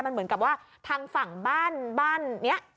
มันเหมือนกับว่าทางฝั่งบ้านบ้านนี้